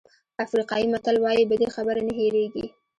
افریقایي متل وایي بدې خبرې نه هېرېږي.